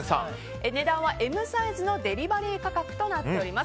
値段はＭサイズのデリバリー価格となっています。